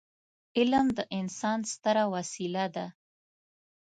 علم د انسان ستره وسيله ده.